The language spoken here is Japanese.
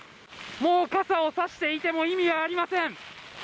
もう傘をさしていても意味がありません。